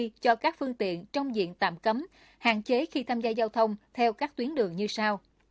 cho các phương tiện trong diện tạm cấm hạn chế khi tham gia giao thông theo các tuyến đường như sau